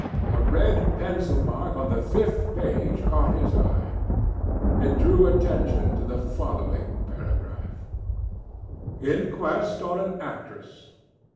A red pencil mark on the fifth page caught his eye. It drew attention to the following paragraph: INQUEST ON AN ACTRESS.